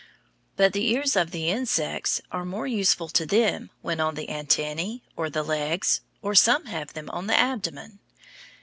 But the ears of the insects are more useful to them when on the antennæ, or the legs, or some have them on the abdomen.